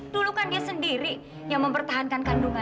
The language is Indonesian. dulu kan dia sendiri yang mempertahankan kandungan